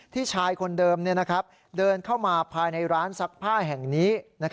ชายคนเดิมเดินเข้ามาภายในร้านซักผ้าแห่งนี้